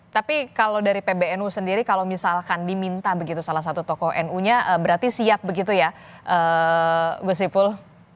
tapi kalau dari pbnu sendiri kalau misalkan diminta begitu salah satu tokoh nu nya berarti siap begitu ya gus ipul